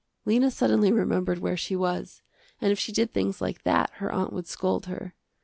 Lena suddenly remembered where she was, and if she did things like that her aunt would scold her.